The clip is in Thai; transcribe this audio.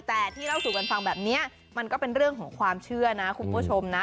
แต่ที่เล่าสู่กันฟังแบบนี้มันก็เป็นเรื่องของความเชื่อนะคุณผู้ชมนะ